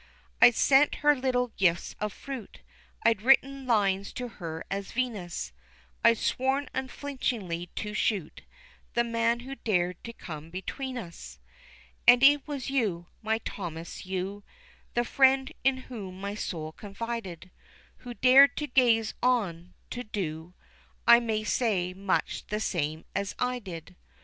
I'd sent her little gifts of fruit; I'd written lines to her as Venus; I'd sworn unflinchingly to shoot The man who dared to come between us: And it was you, my Thomas you, The friend in whom my soul confided, Who dared to gaze on to do, I may say, much the same as I did.